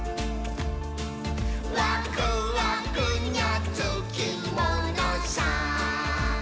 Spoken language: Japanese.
「ワクワクにゃつきものさ」